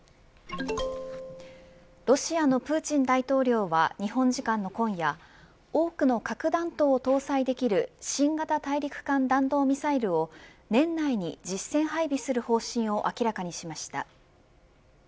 ロシアのプーチン大統領は日本時間の今夜多くの核弾頭を搭載できる新型大陸間弾道ミサイルを年内に実戦配備する方針を明らかにしました。